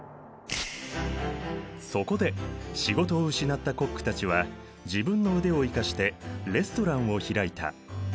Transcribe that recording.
そこで仕事を失ったコックたちは自分の腕を生かしてレストランを開いた。